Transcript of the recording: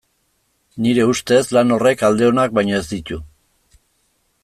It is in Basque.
Nire ustez, lan horrek alde onak baino ez ditu.